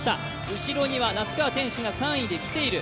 後ろには那須川天心が３位できている。